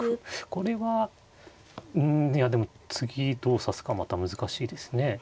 これはうんいやでも次どう指すかまた難しいですね。